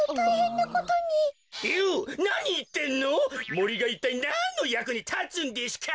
もりがいったいなんのやくにたつんデシュか！